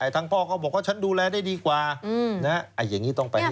ทางพ่อก็บอกว่าฉันดูแลได้ดีกว่าอย่างนี้ต้องไปไหน